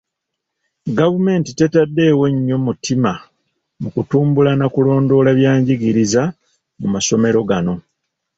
Gavumenti tetaddeeyo nnyo mutima mu kutumbula na kulondoola bya njigiriza mu masomero gano.